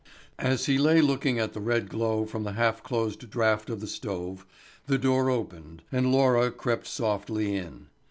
As he lay looking at the red glow from the half closed draught of the stove, the door opened, and Laura crept softly in.